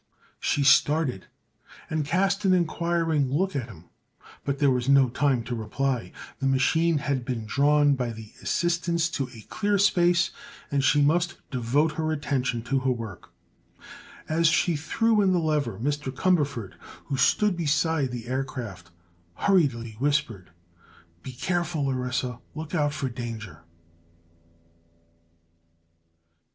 She started and cast an inquiring look at him, but there was no time to reply. The machine had been drawn by the assistants to a clear space and she must devote her attention to her work. As she threw in the lever Mr. Cumberford, who stood beside the aircraft, hurriedly whispered: "Be careful, Orissa—look out for danger!"